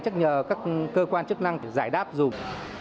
chắc nhờ các cơ quan chức năng giải đáp dù